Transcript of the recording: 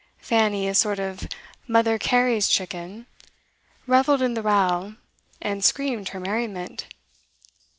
Fanny, a sort of Mother Cary's chicken, revelled in the row, and screamed her merriment.